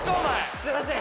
すいません！